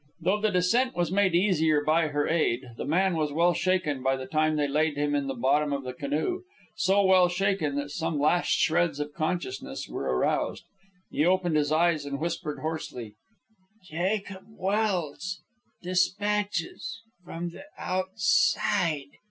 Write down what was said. Though the descent was made easier by her aid, the man was well shaken by the time they laid him in the bottom of the canoe, so well shaken that some last shreds of consciousness were aroused. He opened his eyes and whispered hoarsely, "Jacob Welse ... despatches ... from the Outside."